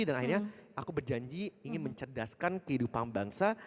dan akhirnya aku berjanji ingin mencedaskan kehidupan bangsa